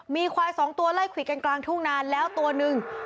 มีควายสองตัวไล่ขวิดกันกลางทุ่งนานแล้วตัวหนึ่ง